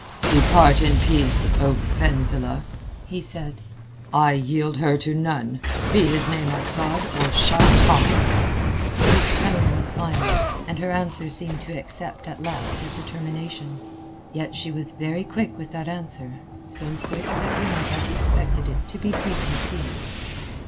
"Depart in peace, O Fenzileh," he said. "I yield her to none—be his name Asad or Shaitan." His tone was final, and her answer seemed to accept at last his determination. Yet she was very quick with that answer; so quick that he might have suspected it to be preconceived.